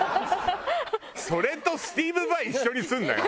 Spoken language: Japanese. それとスティーヴ・ヴァイ一緒にするなよ。